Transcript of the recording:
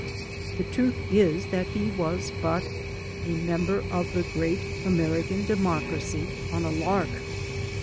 The truth is that he ^as but a member of the great American democracy on a lark.